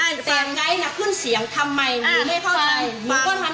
อ๋อแล้วตัวเองพูดดีหรอคะขึ้นเสียงพูดดีหรอคะในสายใครพูดก่อน